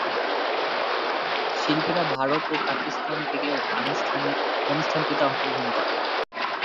শিল্পীরা ভারত ও পাকিস্তান থেকে অনুষ্ঠানটিতে অংশগ্রহণ করেন।